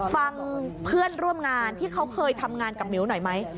ฟังเพื่อนร่วมงานที่เขาเคยทำงานกับมิ้วหน่อยไหม